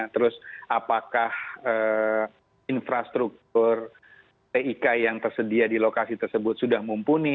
terus apakah infrastruktur tik yang tersedia di lokasi tersebut sudah mumpuni